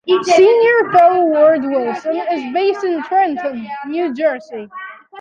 Senior Fellow Ward Wilson is based in Trenton, New Jersey.